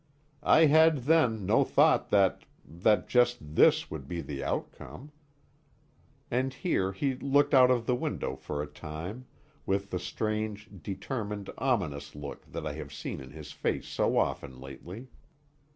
I had then no thought that that just this would be the outcome," and here he looked out of the window for a time, with the strange, determined, ominous look that I have seen in his face so often lately.